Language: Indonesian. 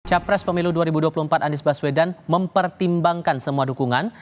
capres pemilu dua ribu dua puluh empat anies baswedan mempertimbangkan semua dukungan